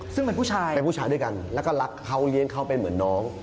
ซึ่งเป็นผู้ชายเป็นผู้ชายด้วยกันแล้วก็รักเขาเลี้ยงเขาเป็นเหมือนน้อง